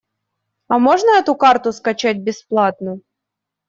А можно эту карту скачать бесплатно?